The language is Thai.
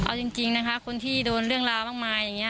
เอาจริงนะคะคนที่โดนเรื่องราวมากมายอย่างนี้